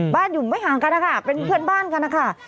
อยู่ไม่ห่างกันนะคะเป็นเพื่อนบ้านกันนะคะ